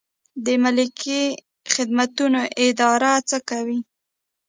د ملکي خدمتونو اداره څه کوي؟